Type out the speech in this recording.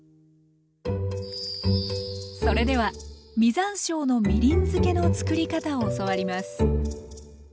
それでは実山椒のみりん漬けの作り方を教わります